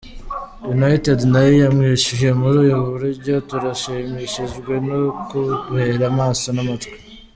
United nayo yamwishuye muri ubu buryo: "Turashimishijwe n'ukutubera amaso n'amatwi.